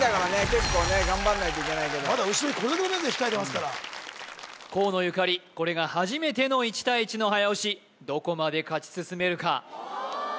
結構ね頑張んないといけないけどまだ後ろにこれだけの人数控えてますから河野ゆかりこれが初めての１対１の早押しどこまで勝ち進めるか？